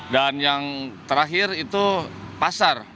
dan yang terakhir itu pasar